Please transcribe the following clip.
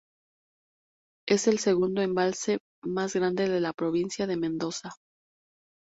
Es el segundo embalse más grande de la provincia de Mendoza.